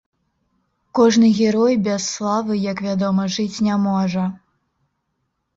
Кожны герой без славы, як вядома, жыць не можа.